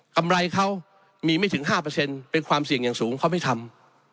ไรเขามีไม่ถึง๕เป็นความเสี่ยงอย่างสูงเขาไม่ทำ